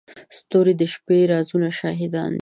ستوري د شپې د رازونو شاهدان دي.